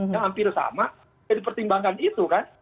yang hampir sama dipertimbangkan itu kan